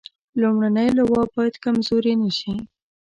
لومړنۍ لواء باید کمزورې نه شي.